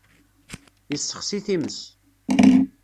Yessexsi times.